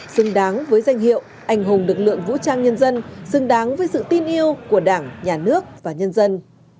xứng đáng với danh hiệu anh hùng lực lượng vũ trang nhân dân xứng đáng với sự tin yêu của đảng nhà nước và nhân dân